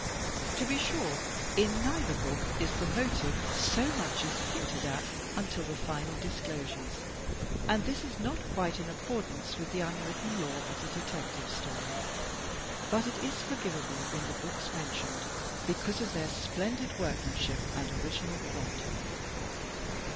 To be sure, in neither book is the motive so much as hinted at until the final disclosures, and this is not quite in accordance with the unwritten law of the Detective Story. But it is forgivable in the books mentioned, because of their splendid workmanship and original plot.